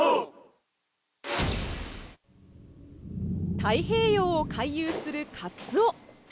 太平洋を回遊するかつお。